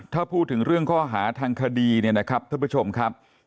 ถ้าพูดถึงเรื่องข้อหาทางคดีเนี่ยนะครับท่านผู้ชมครับ